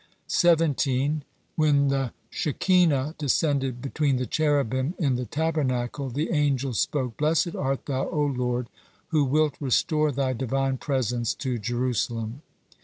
17. When the Shekinah descended between the Cherubim in the Tabernacle, the angels spoke: "Blessed art Thou, O Lord, who wilt restore Thy Divine Presence to Jerusalem."